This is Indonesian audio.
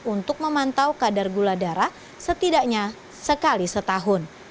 untuk memantau kadar gula darah setidaknya sekali setahun